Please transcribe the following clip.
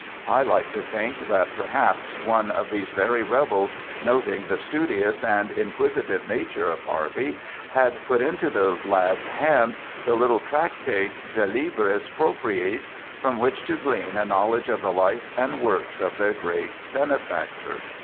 I like to think that, perhaps, one of these very rebels, noting the studious and inquisitive nature of Harvey, had put into the lad's hand the little tractate, De libris propriis, from which to glean a know ledge of the life and works of their great benefactor.